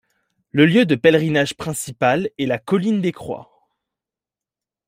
Le lieu de pèlerinage principal est la Colline des Croix.